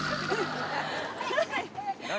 何？